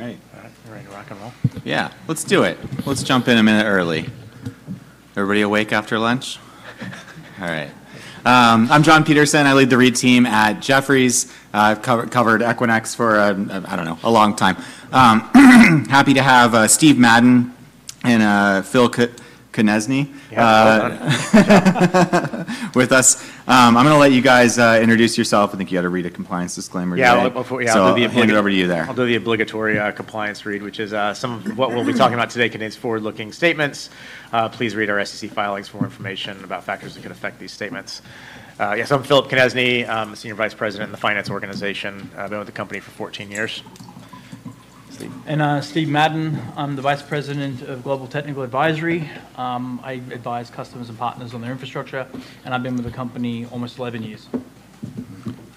All right. All right, we're ready to rock and roll. Yeah, let's do it. Let's jump in a minute early. Everybody awake after lunch? All right. I'm Jon Petersen. I lead the REIT team at Jefferies. I've covered Equinix for, I don't know, a long time. Happy to have Steve Madden and Phil Konieczny with us. I'm going to let you guys introduce yourself. I think you had a REIT compliance disclaimer you had. Yeah, I'll do the obligatory. Hand it over to you there. I'll do the obligatory compliance REIT, which is some of what we'll be talking about today contains forward-looking statements. Please read our SEC filings for more information about factors that could affect these statements. Yes, I'm Phillip Konieczny. I'm a Senior Vice President in the finance organization. I've been with the company for 14 years. Steve Madden. I'm the Vice President of Global Technical Advisory. I advise customers and partners on their infrastructure, and I've been with the company almost 11 years.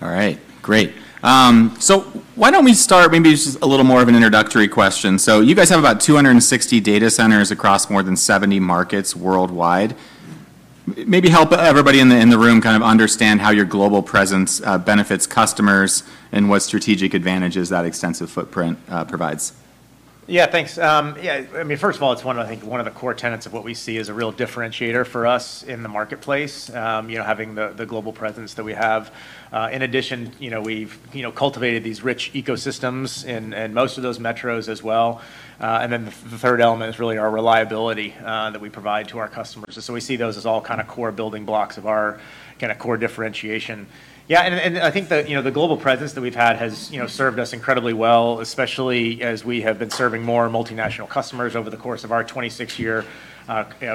All right, great. Why don't we start maybe just a little more of an introductory question? You guys have about 260 data centers across more than 70 markets worldwide. Maybe help everybody in the room kind of understand how your global presence benefits customers and what strategic advantages that extensive footprint provides. Yeah, thanks. Yeah, I mean, first of all, it's one of, I think, one of the core tenets of what we see as a real differentiator for us in the marketplace, having the global presence that we have. In addition, we've cultivated these rich ecosystems in most of those metros as well. The third element is really our reliability that we provide to our customers. We see those as all kind of core building blocks of our kind of core differentiation. Yeah, I think the global presence that we've had has served us incredibly well, especially as we have been serving more multinational customers over the course of our 26-year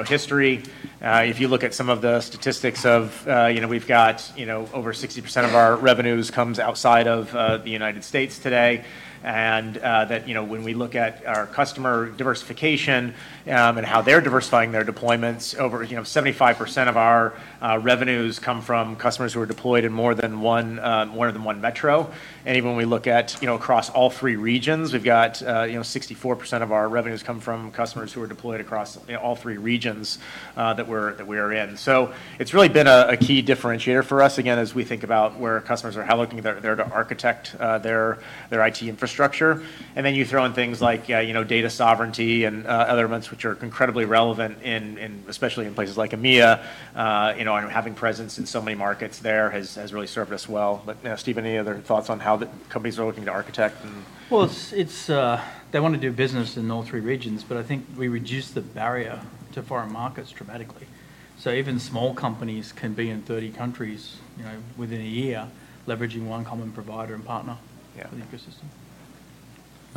history. If you look at some of the statistics, we've got over 60% of our revenues comes outside of the United States today. When we look at our customer diversification and how they're diversifying their deployments, over 75% of our revenues come from customers who are deployed in more than one metro. Even when we look across all three regions, we've got 64% of our revenues come from customers who are deployed across all three regions that we are in. It has really been a key differentiator for us, again, as we think about where customers are looking. They're there to architect their IT infrastructure. You throw in things like data sovereignty and other elements which are incredibly relevant, especially in places like EMEA. Having presence in so many markets there has really served us well. Steve, any other thoughts on how companies are looking to architect? They want to do business in all three regions, but I think we reduce the barrier to foreign markets dramatically. So even small companies can be in 30 countries within a year leveraging one common provider and partner for the ecosystem.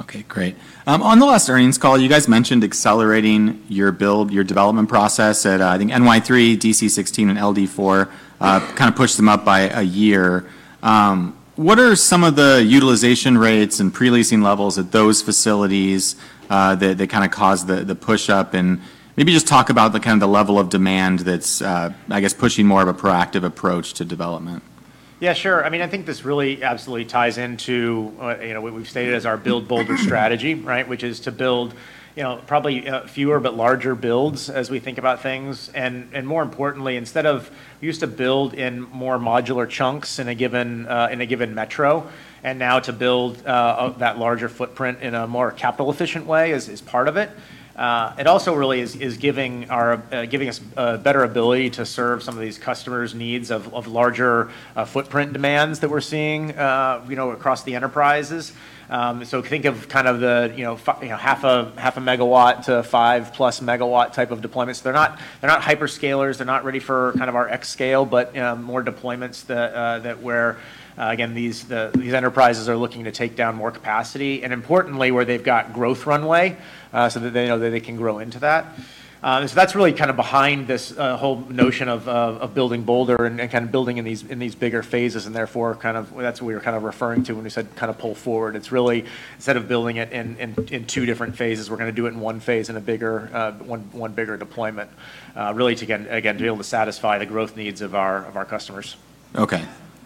Okay, great. On the last earnings call, you guys mentioned accelerating your build, your development process at, I think, NY3, DC16, and LD4, kind of pushed them up by a year. What are some of the utilization rates and pre-leasing levels at those facilities that kind of caused the push-up? Maybe just talk about the kind of the level of demand that's, I guess, pushing more of a proactive approach to development. Yeah, sure. I mean, I think this really absolutely ties into what we've stated as our build-bolder strategy, right, which is to build probably fewer but larger builds as we think about things. More importantly, instead of we used to build in more modular chunks in a given metro, now to build that larger footprint in a more capital-efficient way is part of it. It also really is giving us a better ability to serve some of these customers' needs of larger footprint demands that we're seeing across the enterprises. Think of kind of the 0.5 MW-5+ MW type of deployments. They're not hyperscalers. They're not ready for kind of our xScale, but more deployments that where, again, these enterprises are looking to take down more capacity. Importantly, where they've got growth runway so that they know that they can grow into that. That's really kind of behind this whole notion of building bolder and kind of building in these bigger phases. Therefore, that's what we were kind of referring to when we said kind of pull forward. It's really, instead of building it in two different phases, we're going to do it in one phase in a bigger deployment, really, again, to be able to satisfy the growth needs of our customers. Okay.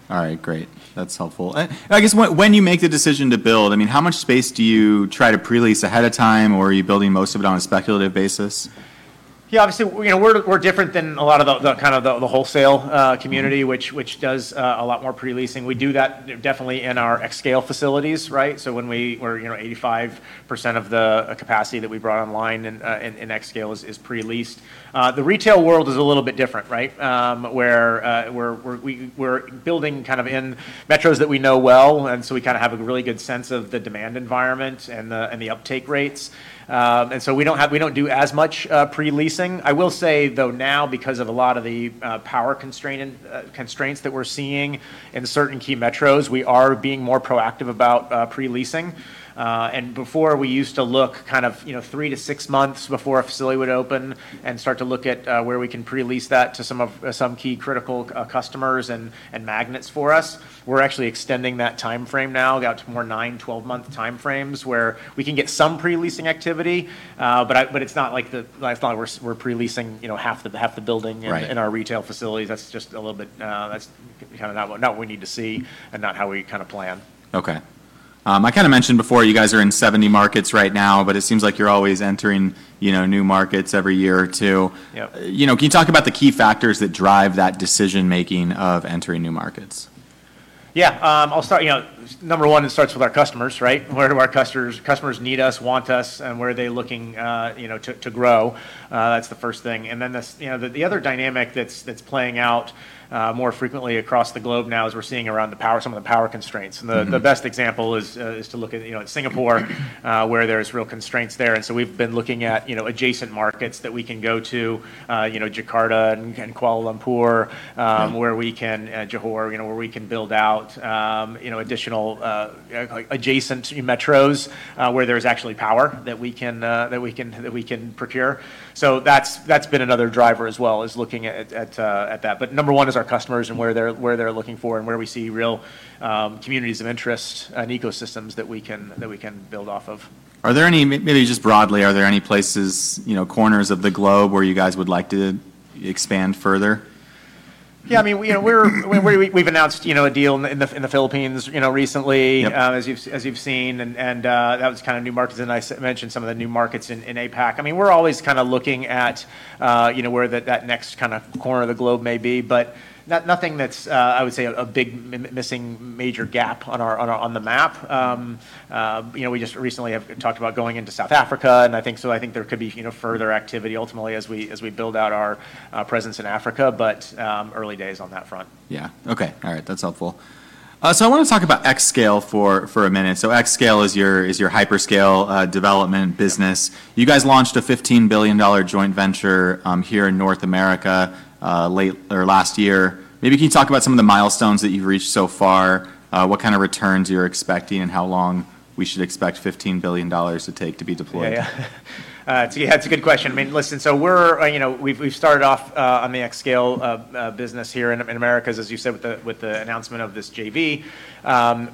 All right, great. That's helpful. I guess when you make the decision to build, I mean, how much space do you try to pre-lease ahead of time, or are you building most of it on a speculative basis? Yeah, obviously, we're different than a lot of the kind of the wholesale community, which does a lot more pre-leasing. We do that definitely in our xScale facilities, right? So when we were 85% of the capacity that we brought online in xScale is pre-leased. The retail world is a little bit different, right, where we're building kind of in metros that we know well. And we kind of have a really good sense of the demand environment and the uptake rates. We don't do as much pre-leasing. I will say, though, now, because of a lot of the power constraints that we're seeing in certain key metros, we are being more proactive about pre-leasing. Before, we used to look kind of three to six months before a facility would open and start to look at where we can pre-lease that to some key critical customers and magnets for us. We are actually extending that time frame now out to more nine to 12-month time frames where we can get some pre-leasing activity, but it is not like the I thought we are pre-leasing half the building in our retail facilities. That is just a little bit that is kind of not what we need to see and not how we kind of plan. Okay. I kind of mentioned before you guys are in 70 markets right now, but it seems like you're always entering new markets every year or two. Can you talk about the key factors that drive that decision-making of entering new markets? Yeah, I'll start. Number one, it starts with our customers, right? Where do our customers need us, want us, and where are they looking to grow? That's the first thing. The other dynamic that's playing out more frequently across the globe now is we're seeing around some of the power constraints. The best example is to look at Singapore, where there are real constraints there. We've been looking at adjacent markets that we can go to, Jakarta and Kuala Lumpur, where we can, Johor, where we can build out additional adjacent metros where there is actually power that we can procure. That's been another driver as well is looking at that. Number one is our customers and where they're looking for and where we see real communities of interest and ecosystems that we can build off of. Are there any, maybe just broadly, are there any places, corners of the globe where you guys would like to expand further? Yeah, I mean, we've announced a deal in the Philippines recently, as you've seen, and that was kind of new markets. I mentioned some of the new markets in APAC. I mean, we're always kind of looking at where that next kind of corner of the globe may be, but nothing that's, I would say, a big missing major gap on the map. We just recently have talked about going into South Africa, and I think there could be further activity ultimately as we build out our presence in Africa, but early days on that front. Yeah. Okay. All right. That's helpful. I want to talk about xScale for a minute. xScale is your hyperscale development business. You guys launched a $15 billion joint venture here in North America late or last year. Maybe can you talk about some of the milestones that you've reached so far? What kind of returns you're expecting and how long we should expect $15 billion to take to be deployed? Yeah, yeah. Yeah, that's a good question. I mean, listen, we've started off on the xScale business here in America, as you said, with the announcement of this JV.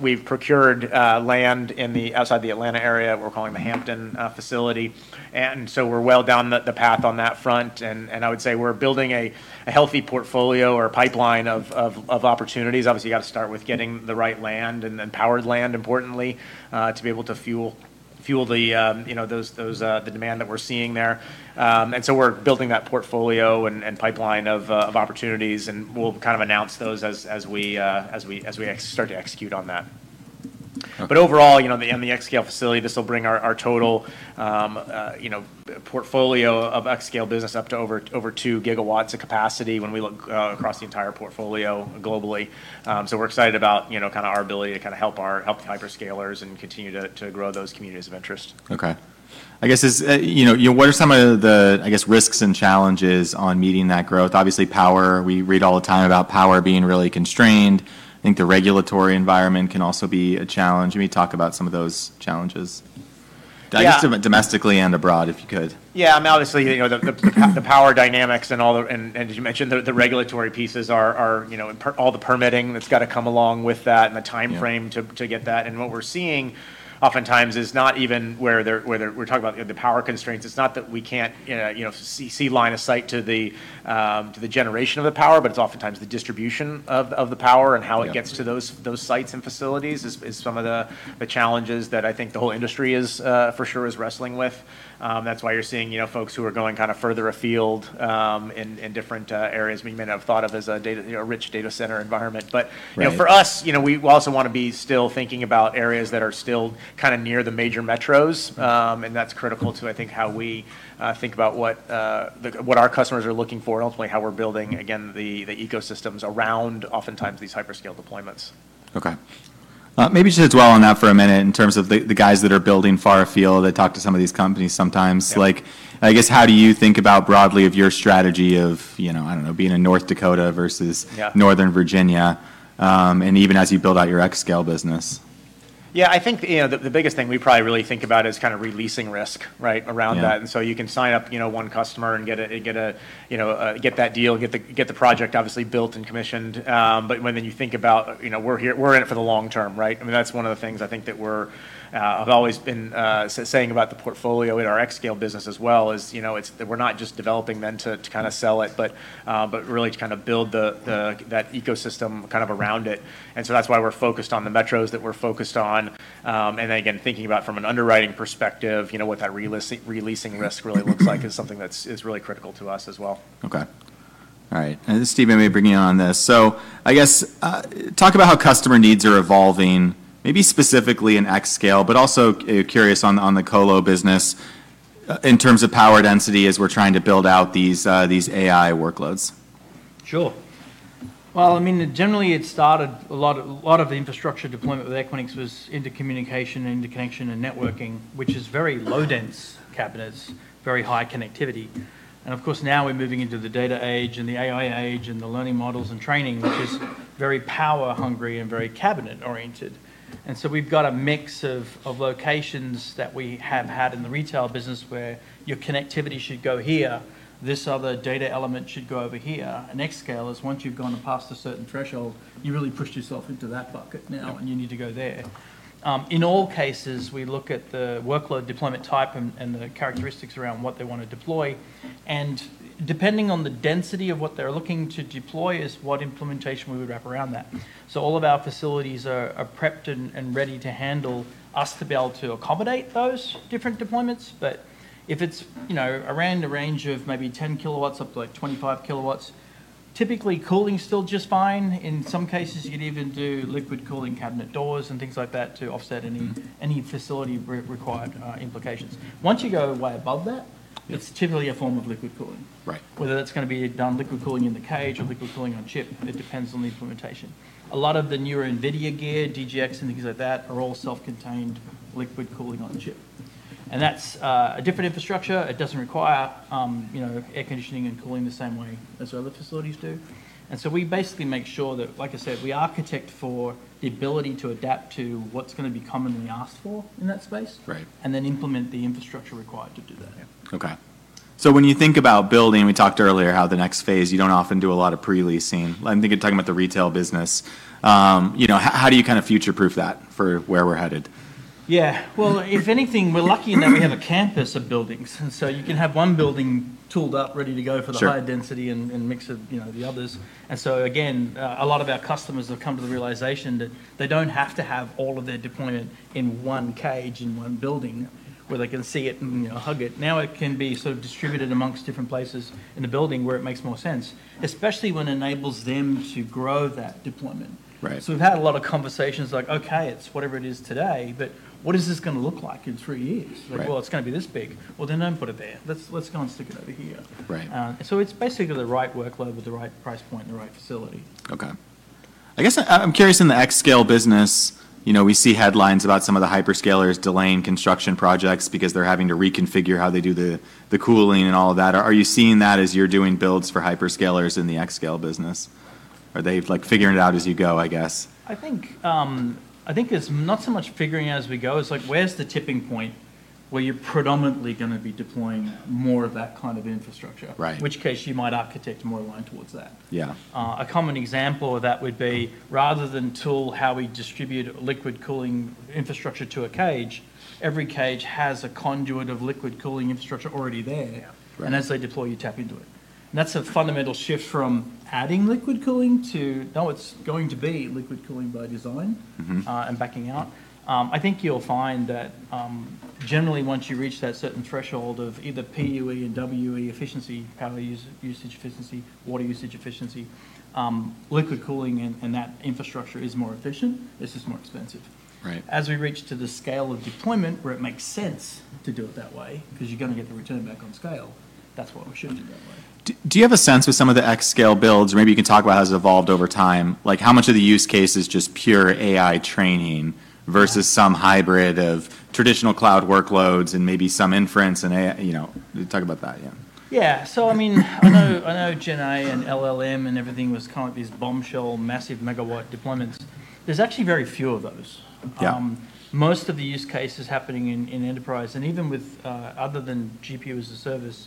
We've procured land outside the Atlanta area. We're calling it the Hampton facility. We're well down the path on that front. I would say we're building a healthy portfolio or pipeline of opportunities. Obviously, you got to start with getting the right land and then powered land, importantly, to be able to fuel the demand that we're seeing there. We're building that portfolio and pipeline of opportunities, and we'll kind of announce those as we start to execute on that. Overall, in the xScale facility, this will bring our total portfolio of xScale business up to over 2 GW of capacity when we look across the entire portfolio globally. We're excited about kind of our ability to kind of help hyperscalers and continue to grow those communities of interest. Okay. I guess what are some of the, I guess, risks and challenges on meeting that growth? Obviously, power. We read all the time about power being really constrained. I think the regulatory environment can also be a challenge. Maybe talk about some of those challenges, I guess, domestically and abroad, if you could. Yeah, I mean, obviously, the power dynamics and, as you mentioned, the regulatory pieces are all the permitting that's got to come along with that and the time frame to get that. What we're seeing oftentimes is not even where we're talking about the power constraints. It's not that we can't see line of sight to the generation of the power, but it's oftentimes the distribution of the power and how it gets to those sites and facilities is some of the challenges that I think the whole industry is for sure wrestling with. That's why you're seeing folks who are going kind of further afield in different areas we may not have thought of as a rich data center environment. For us, we also want to be still thinking about areas that are still kind of near the major metros. That is critical to, I think, how we think about what our customers are looking for and ultimately how we are building, again, the ecosystems around oftentimes these hyperscale deployments. Okay. Maybe just as well on that for a minute in terms of the guys that are building far afield that talk to some of these companies sometimes. I guess how do you think about broadly of your strategy of, I don't know, being in North Dakota versus Northern Virginia and even as you build out your xScale business? Yeah, I think the biggest thing we probably really think about is kind of releasing risk, right, around that. You can sign up one customer and get that deal, get the project obviously built and commissioned. When you think about we're in it for the long term, right? I mean, that's one of the things I think that we've always been saying about the portfolio in our xScale business as well is we're not just developing then to kind of sell it, but really to kind of build that ecosystem kind of around it. That is why we're focused on the metros that we're focused on. Again, thinking about from an underwriting perspective, what that releasing risk really looks like is something that is really critical to us as well. Okay. All right. Steve, maybe bringing on this. I guess talk about how customer needs are evolving, maybe specifically in xScale, but also curious on the colo business in terms of power density as we're trying to build out these AI workloads. Sure. I mean, generally, it started, a lot of the infrastructure deployment with Equinix was intercommunication and interconnection and networking, which is very low-dense cabinets, very high connectivity. Of course, now we're moving into the data age and the AI age and the learning models and training, which is very power-hungry and very cabinet-oriented. We have a mix of locations that we have had in the retail business where your connectivity should go here, this other data element should go over here. xScale is once you've gone past a certain threshold, you really pushed yourself into that bucket now, and you need to go there. In all cases, we look at the workload deployment type and the characteristics around what they want to deploy. Depending on the density of what they're looking to deploy is what implementation we would wrap around that. All of our facilities are prepped and ready to handle us to be able to accommodate those different deployments. If it is around the range of maybe 10 kW up to 25 kW, typically cooling is still just fine. In some cases, you could even do liquid cooling cabinet doors and things like that to offset any facility-required implications. Once you go way above that, it is typically a form of liquid cooling, whether that is going to be done liquid cooling in the cage or liquid cooling on chip. It depends on the implementation. A lot of the newer NVIDIA gear, DGX, and things like that are all self-contained liquid cooling on chip. That is a different infrastructure. It does not require air conditioning and cooling the same way as other facilities do. We basically make sure that, like I said, we architect for the ability to adapt to what's going to be commonly asked for in that space and then implement the infrastructure required to do that. Okay. So when you think about building, we talked earlier how the next phase, you do not often do a lot of pre-leasing. I think you are talking about the retail business. How do you kind of future-proof that for where we are headed? Yeah. If anything, we're lucky in that we have a campus of buildings. You can have one building tooled up, ready to go for the higher density and mix of the others. Again, a lot of our customers have come to the realization that they don't have to have all of their deployment in one cage, in one building where they can see it and hug it. Now it can be sort of distributed amongst different places in the building where it makes more sense, especially when it enables them to grow that deployment. We've had a lot of conversations like, "Okay, it's whatever it is today, but what is this going to look like in three years?" Like, "Well, it's going to be this big. Well, then don't put it there. Let's go and stick it over here." So it's basically the right workload with the right price point in the right facility. Okay. I guess I'm curious in the xScale business, we see headlines about some of the hyperscalers delaying construction projects because they're having to reconfigure how they do the cooling and all of that. Are you seeing that as you're doing builds for hyperscalers in the xScale business? Are they figuring it out as you go, I guess? I think it's not so much figuring it out as we go. It's like where's the tipping point where you're predominantly going to be deploying more of that kind of infrastructure, in which case you might architect more line towards that. A common example of that would be rather than tool how we distribute liquid cooling infrastructure to a cage, every cage has a conduit of liquid cooling infrastructure already there. As they deploy, you tap into it. That's a fundamental shift from adding liquid cooling to, "No, it's going to be liquid cooling by design and backing out." I think you'll find that generally once you reach that certain threshold of either PUE and WUE efficiency, power usage efficiency, water usage efficiency, liquid cooling and that infrastructure is more efficient, it's just more expensive. As we reach to the scale of deployment where it makes sense to do it that way because you're going to get the return back on scale, that's why we should do it that way. Do you have a sense with some of the xScale builds, or maybe you can talk about how it's evolved over time, like how much of the use case is just pure AI training versus some hybrid of traditional cloud workloads and maybe some inference and AI? Talk about that, yeah. Yeah. I mean, I know GenAI and LLM and everything was kind of these bombshell, massive megawatt deployments. There's actually very few of those. Most of the use case is happening in enterprise. Even with other than GPU as a service,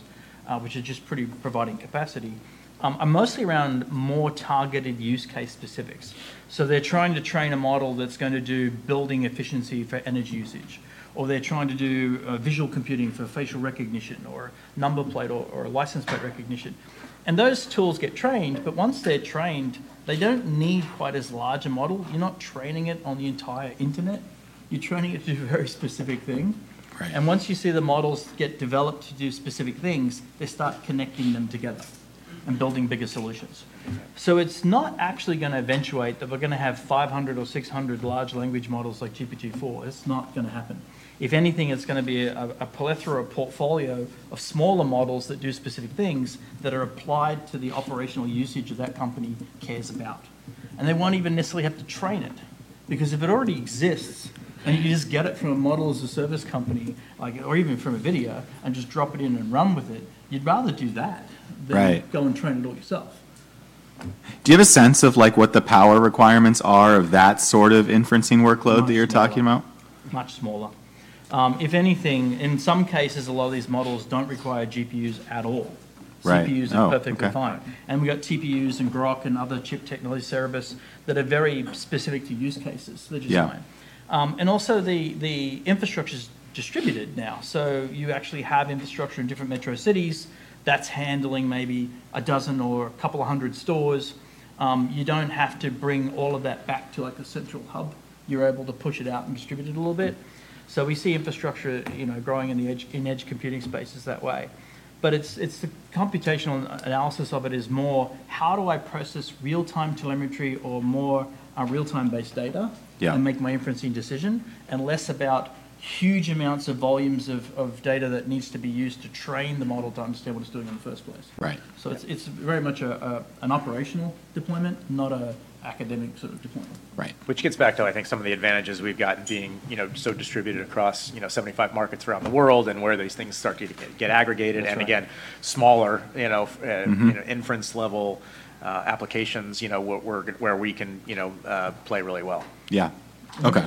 which is just pretty providing capacity, I'm mostly around more targeted use case specifics. They're trying to train a model that's going to do building efficiency for energy usage, or they're trying to do visual computing for facial recognition or number plate or license plate recognition. Those tools get trained, but once they're trained, they do not need quite as large a model. You're not training it on the entire internet. You're training it to do very specific things. Once you see the models get developed to do specific things, they start connecting them together and building bigger solutions. It's not actually going to eventuate that we're going to have 500 or 600 large language models like GPT-4. It's not going to happen. If anything, it's going to be a plethora or portfolio of smaller models that do specific things that are applied to the operational usage that that company cares about. They won't even necessarily have to train it because if it already exists and you just get it from a model as a service company or even from NVIDIA and just drop it in and run with it, you'd rather do that than go and train it all yourself. Do you have a sense of what the power requirements are of that sort of inferencing workload that you're talking about? Much smaller. If anything, in some cases, a lot of these models do not require GPUs at all. CPUs are perfectly fine. We have TPUs and Groq and other chip technology service that are very specific to use cases. They are just fine. Also, the infrastructure is distributed now. You actually have infrastructure in different metro cities that is handling maybe a dozen or a couple of hundred stores. You do not have to bring all of that back to a central hub. You are able to push it out and distribute it a little bit. We see infrastructure growing in the edge computing spaces that way. The computational analysis of it is more, how do I process real-time telemetry or more real-time-based data and make my inferencing decision and less about huge amounts of volumes of data that needs to be used to train the model to understand what it's doing in the first place? It is very much an operational deployment, not an academic sort of deployment. Right. Which gets back to, I think, some of the advantages we've got being so distributed across 75 markets around the world and where these things start to get aggregated and again, smaller inference-level applications where we can play really well. Yeah.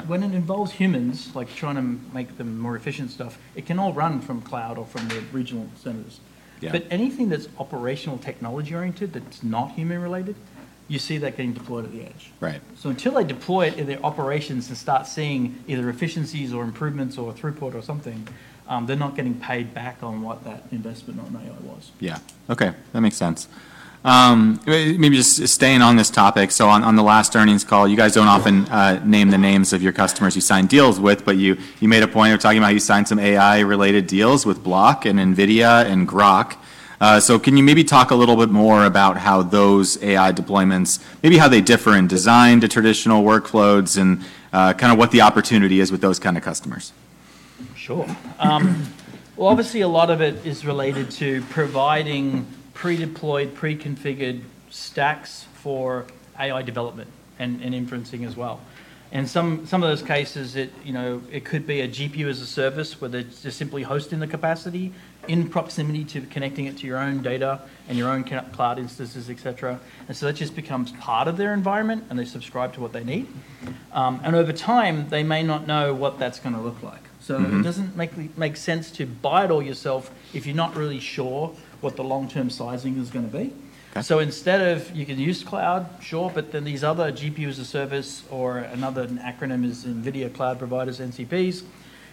When it involves humans, like trying to make them more efficient stuff, it can all run from cloud or from the regional centers. Anything that's operational technology-oriented that's not human-related, you see that getting deployed at the edge. Until they deploy it in their operations and start seeing either efficiencies or improvements or throughput or something, they're not getting paid back on what that investment on AI was. Yeah. Okay. That makes sense. Maybe just staying on this topic. On the last earnings call, you guys do not often name the names of your customers you signed deals with, but you made a point of talking about you signed some AI-related deals with Block and NVIDIA and Groq. Can you maybe talk a little bit more about how those AI deployments, maybe how they differ in design to traditional workloads and kind of what the opportunity is with those kinds of customers? Sure. Obviously, a lot of it is related to providing pre-deployed, pre-configured stacks for AI development and inferencing as well. In some of those cases, it could be a GPU as a service where they're just simply hosting the capacity in proximity to connecting it to your own data and your own cloud instances, etc. That just becomes part of their environment and they subscribe to what they need. Over time, they may not know what that's going to look like. It does not make sense to buy it all yourself if you're not really sure what the long-term sizing is going to be. Instead of you can use cloud, sure, but then these other GPUs as a service or another acronym is NVIDIA Cloud Providers, NCPs,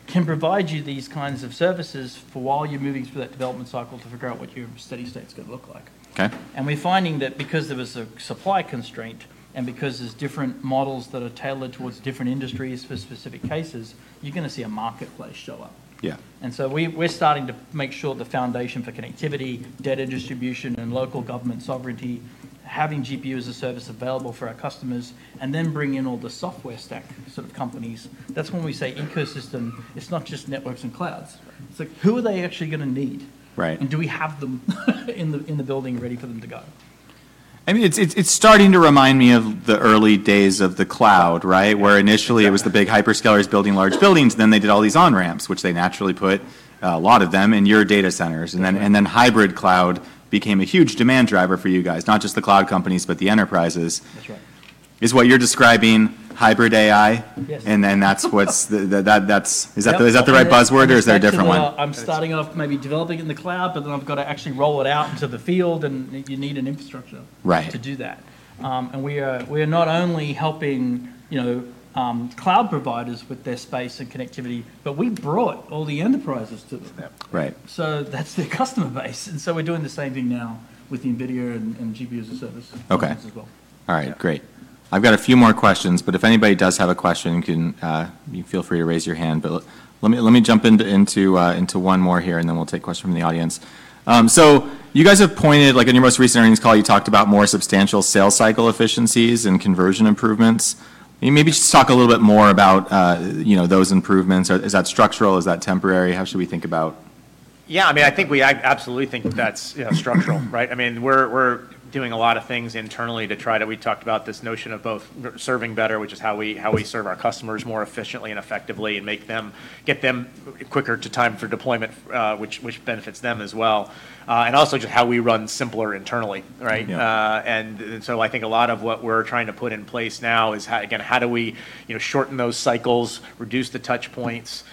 can provide you these kinds of services for while you're moving through that development cycle to figure out what your steady state's going to look like. We're finding that because there was a supply constraint and because there's different models that are tailored towards different industries for specific cases, you're going to see a marketplace show up. We're starting to make sure the foundation for connectivity, data distribution, and local government sovereignty, having GPUs as a service available for our customers, and then bring in all the software stack sort of companies, that's when we say ecosystem, it's not just networks and clouds. It's like, who are they actually going to need? Do we have them in the building ready for them to go? I mean, it's starting to remind me of the early days of the cloud, right, where initially it was the big hyperscalers building large buildings, then they did all these on-ramps, which they naturally put a lot of them in your data centers. Then hybrid cloud became a huge demand driver for you guys, not just the cloud companies, but the enterprises. Is what you're describing hybrid AI? Is that the right buzzword or is there a different one? I'm starting off maybe developing it in the cloud, but then I've got to actually roll it out into the field and you need an infrastructure to do that. We are not only helping cloud providers with their space and connectivity, but we brought all the enterprises to them. That's their customer base. We're doing the same thing now with NVIDIA and GPUs as a service as well. All right. Great. I've got a few more questions, but if anybody does have a question, you can feel free to raise your hand. Let me jump into one more here and then we'll take questions from the audience. You guys have pointed, like in your most recent earnings call, you talked about more substantial sales cycle efficiencies and conversion improvements. Maybe just talk a little bit more about those improvements. Is that structural? Is that temporary? How should we think about? Yeah. I mean, I think we absolutely think that's structural, right? I mean, we're doing a lot of things internally to try to, we talked about this notion of both serving better, which is how we serve our customers more efficiently and effectively and get them quicker to time for deployment, which benefits them as well. I mean, also just how we run simpler internally, right? I think a lot of what we're trying to put in place now is, again, how do we shorten those cycles, reduce the touchpoints?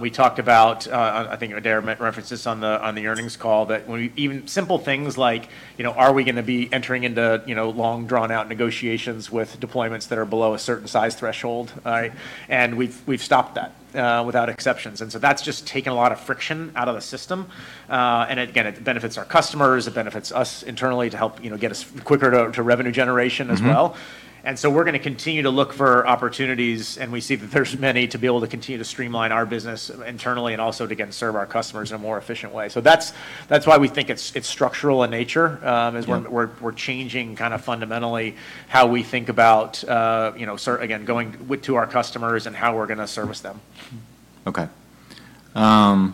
We talked about, I think Adaire mentioned this on the earnings call, that even simple things like, are we going to be entering into long drawn-out negotiations with deployments that are below a certain size threshold? We've stopped that without exceptions. That's just taken a lot of friction out of the system. It benefits our customers. It benefits us internally to help get us quicker to revenue generation as well. We are going to continue to look for opportunities, and we see that there are many to be able to continue to streamline our business internally and also to, again, serve our customers in a more efficient way. That is why we think it is structural in nature as we are changing kind of fundamentally how we think about, again, going to our customers and how we are going to service them. Okay. All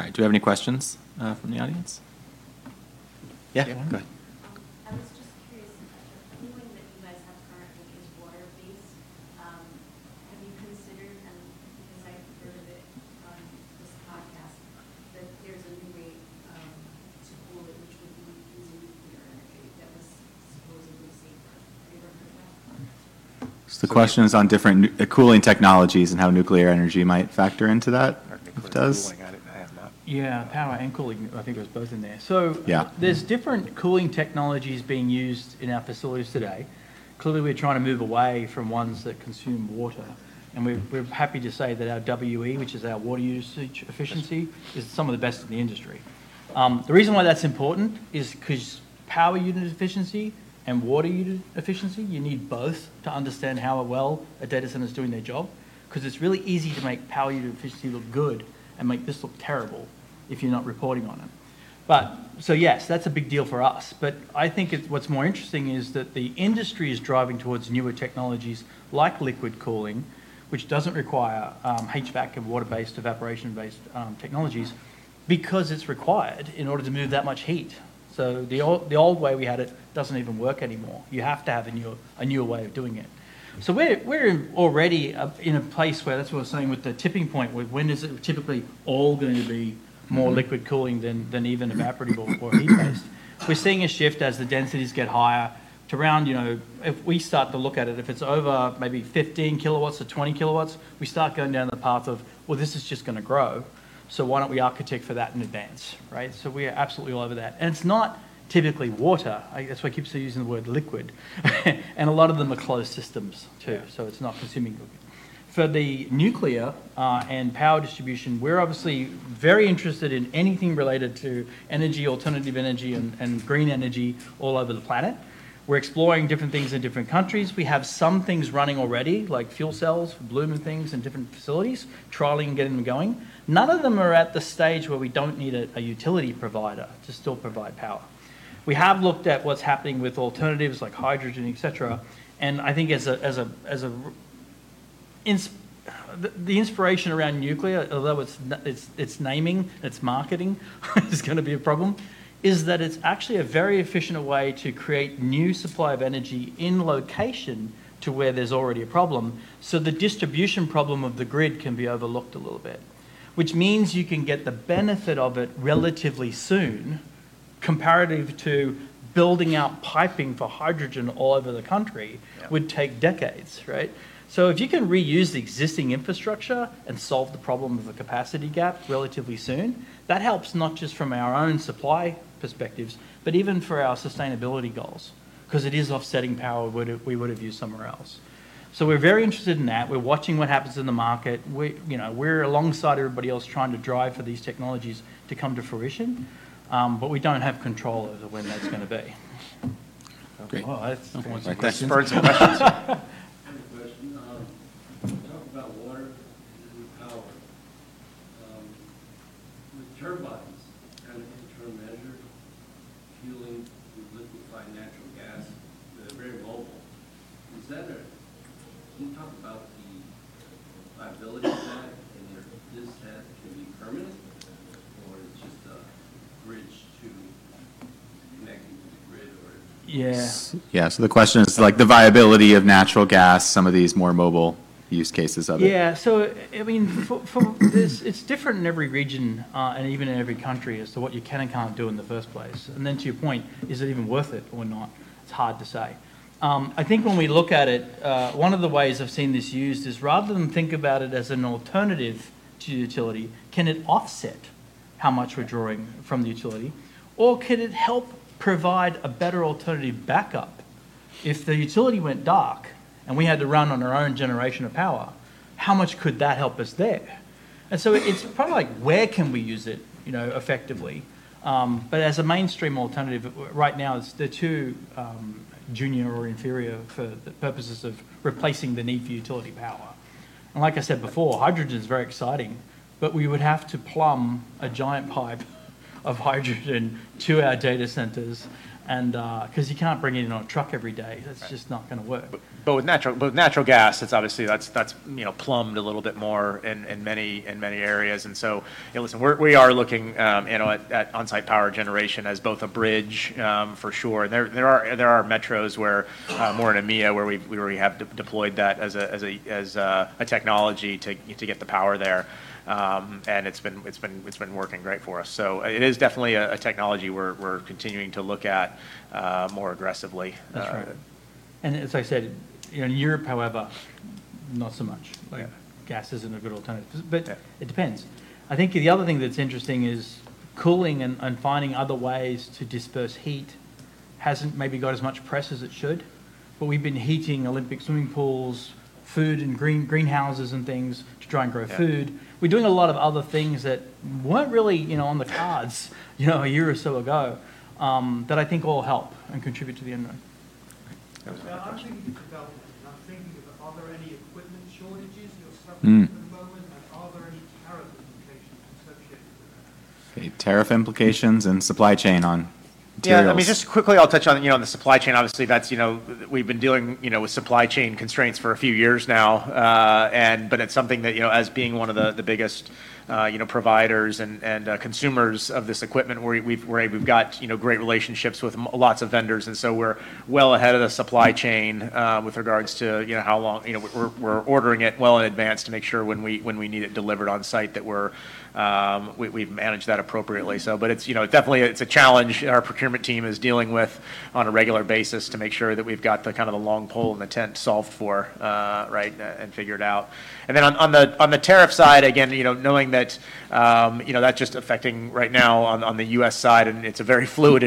right. Do we have any questions from the audience? Yeah. Go ahead. I was just curious about your cooling that you guys have currently is water-based. Have you considered, and because I've heard of it on this podcast, that there's a new way to cool it, which would be using nuclear energy that was supposedly safer? Have you ever heard of that? The question is on different cooling technologies and how nuclear energy might factor into that. Does? Nuclear cooling, I have not. Yeah. Power and cooling, I think it was both in there. So there's different cooling technologies being used in our facilities today. Clearly, we're trying to move away from ones that consume water. And we're happy to say that our WUE, which is our water usage effectiveness, is some of the best in the industry. The reason why that's important is because power usage effectiveness and water usage effectiveness, you need both to understand how well a data center is doing their job because it's really easy to make power usage effectiveness look good and make this look terrible if you're not reporting on it. Yes, that's a big deal for us. I think what's more interesting is that the industry is driving towards newer technologies like liquid cooling, which doesn't require HVAC and water-based evaporation-based technologies because it's required in order to move that much heat. The old way we had it does not even work anymore. You have to have a newer way of doing it. We are already in a place where that is what we are saying with the tipping point, when is it typically all going to be more liquid cooling than even evaporative or heat-based? We are seeing a shift as the densities get higher to around, if we start to look at it, if it is over maybe 15 kW or 20 kW, we start going down the path of, well, this is just going to grow. Why do we not architect for that in advance, right? We are absolutely all over that. It is not typically water. That is why Keith is using the word liquid. A lot of them are closed systems too, so it is not consuming liquid. For the nuclear and power distribution, we're obviously very interested in anything related to energy, alternative energy, and green energy all over the planet. We're exploring different things in different countries. We have some things running already, like fuel cells, Bloom, and things in different facilities, trialing and getting them going. None of them are at the stage where we don't need a utility provider to still provide power. We have looked at what's happening with alternatives like hydrogen, etc. I think the inspiration around nuclear, although its naming, its marketing, is going to be a problem, is that it's actually a very efficient way to create new supply of energy in location to where there's already a problem. The distribution problem of the grid can be overlooked a little bit, which means you can get the benefit of it relatively soon comparative to building out piping for hydrogen all over the country would take decades, right? If you can reuse the existing infrastructure and solve the problem of the capacity gap relatively soon, that helps not just from our own supply perspectives, but even for our sustainability goals because it is offsetting power we would have used somewhere else. Yeah. Yeah. The question is like the viability of natural gas, some of these more mobile use cases of it. Yeah. I mean, it's different in every region and even in every country as to what you can and can't do in the first place. To your point, is it even worth it or not? It's hard to say. I think when we look at it, one of the ways I've seen this used is rather than think about it as an alternative to utility, can it offset how much we're drawing from the utility? Or could it help provide a better alternative backup if the utility went dark and we had to run on our own generation of power? How much could that help us there? It's probably like where can we use it effectively? As a mainstream alternative, right now, they're too junior or inferior for the purposes of replacing the need for utility power. Like I said before, hydrogen is very exciting, but we would have to plumb a giant pipe of hydrogen to our data centers because you can't bring it in on a truck every day. That's just not going to work. With natural gas, it's obviously plumbed a little bit more in many areas. Listen, we are looking at on-site power generation as both a bridge for sure. There are metros, more in EMEA, where we have deployed that as a technology to get the power there. It's been working great for us. It is definitely a technology we're continuing to look at more aggressively. That's right. As I said, in Europe, however, not so much. Gas isn't a good alternative. It depends. I think the other thing that's interesting is cooling and finding other ways to disperse heat hasn't maybe got as much press as it should. We've been heating Olympic swimming pools, food and greenhouses and things to try and grow food. We're doing a lot of other things that weren't really on the cards a year or so ago that I think all help and contribute to the end. I'm thinking of development. I'm thinking of are there any equipment shortages you're suffering at the moment? Are there any tariff implications associated with that? Okay. Tariff implications and supply chain on materials? Yeah. I mean, just quickly, I'll touch on the supply chain. Obviously, we've been dealing with supply chain constraints for a few years now. It's something that as being one of the biggest providers and consumers of this equipment, we've got great relationships with lots of vendors. We're well ahead of the supply chain with regards to how long we're ordering it well in advance to make sure when we need it delivered on-site that we've managed that appropriately. Definitely, it's a challenge our procurement team is dealing with on a regular basis to make sure that we've got the kind of the long pole in the tent solved for, right, and figured out. On the tariff side, again, knowing that that's just affecting right now on the U.S. side, and it's very fluid.